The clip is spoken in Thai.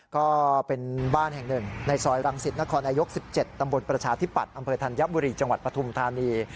ก็เป็นบ้านแห่งหนึ่งในซอยรังสิตนครนายก๑๗ตำบลประชาธิปัตย์อำเภอธัญบุรีจังหวัดปฐุมธานี